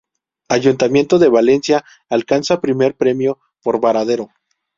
Ayuntamiento de Valencia" alcanza "Primer premio" por "Varadero".